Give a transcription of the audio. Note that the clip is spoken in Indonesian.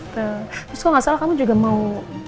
terus kalo gak salah kamu juga mau